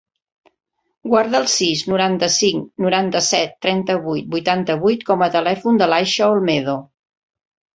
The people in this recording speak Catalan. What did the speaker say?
Guarda el sis, noranta-cinc, noranta-set, trenta-vuit, vuitanta-vuit com a telèfon de l'Aisha Olmedo.